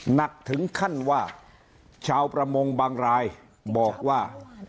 หนักถึงขั้นว่าชาวประมงบางรายบอกว่า